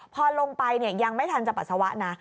พอลงไปยังไม่ทันจะปัสสาวะนะ